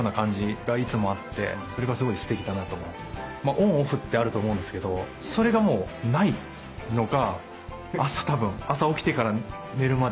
オンオフってあると思うんですけどそれがもうないのか。